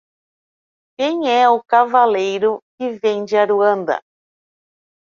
Quem é o cavaleiro que vem de Aruanda?